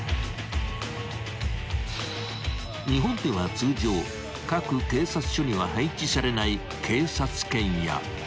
［日本では通常各警察署には配置されない］